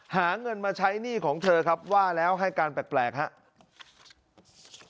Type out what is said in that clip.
หาเงินมาใช้หนี้ของเธอครับว่าแล้วให้การแปลกครับ